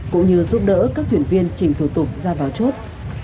cũng như giúp đỡ các thuyền viên trình thủ tục ra vào chốt